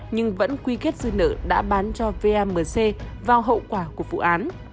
nhưng vẫn quy kết dư nợ đã bán cho vamc vào hậu quả của vụ án